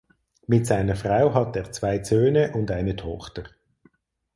Mit seiner Frau hat er zwei Söhne und eine Tochter.